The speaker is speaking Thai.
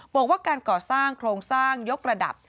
บอกว่าการก่อสร้างโครงสร้างยกระดับ